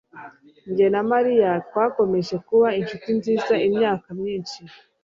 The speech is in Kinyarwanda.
Jye na Mariya twakomeje kuba inshuti nziza imyaka myinshi.